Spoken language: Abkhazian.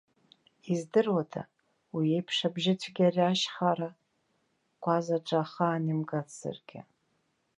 Издыруада уи еиԥш абжьыцәгьа ари ашьхара кәазаҿы ахаан имгацзаргьы.